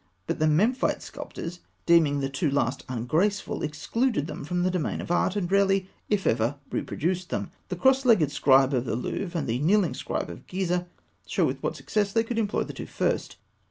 But the Memphite sculptors, deeming the two last ungraceful, excluded them from the domain of art, and rarely, if ever, reproduced them. The "Cross legged Scribe" of the Louvre and the "Kneeling Scribe" of Gizeh show with what success they could employ the two first.